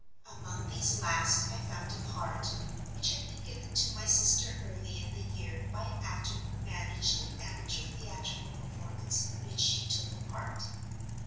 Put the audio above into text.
Among these last I found a card, which had been given to my sister early in the year by an actor who managed an amateur theatrical performance in which she took a part.